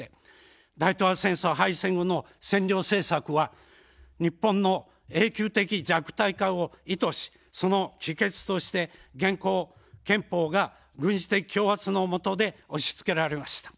大東亜戦争敗戦後の占領政策は日本の永久的弱体化を意図し、その帰結として現行憲法が軍事的強圧のもとで押しつけられました。